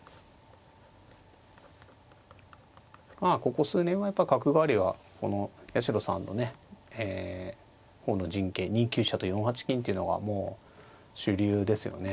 ここ数年はやっぱり角換わりはこの八代さんの方の陣形２九飛車と４八金っていうのがもう主流ですよね。